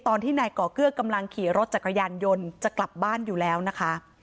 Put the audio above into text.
ตอนที่นายก่อเกื้อกำลังขี่รถจักรยานยนต์จะกลับบ้านอยู่แล้วนะคะ